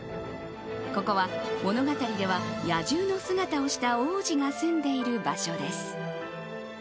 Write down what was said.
ここは物語では野獣の姿をした王子が住んでいる場所です。